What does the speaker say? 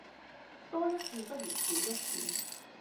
多一事不如少一事